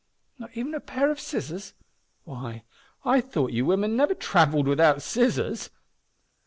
Not even a pair o' scissors? Why, I thought you women never travelled without scissors!"